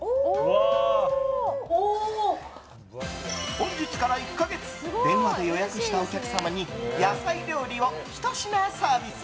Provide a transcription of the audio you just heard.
本日から１か月電話で予約したお客様に野菜料理をひと品サービス。